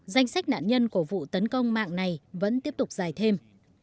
danh sách nạn nhân của vụ tấn công mạng này vẫn tiếp tục dài thêm